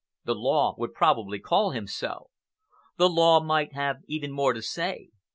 The law would probably call him so. The law might have even more to say.